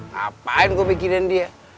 ngapain gue mikirin dia